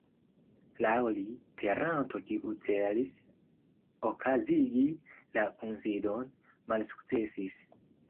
Laŭ li, peranto kiu celis okazigi la kunsidon malsukcesis.